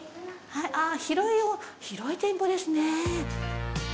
広い店舗ですね。